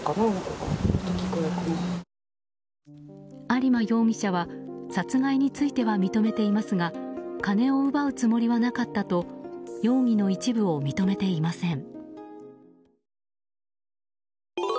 有馬容疑者は殺害については認めていますが金を奪うつもりはなかったと容疑の一部を認めていません。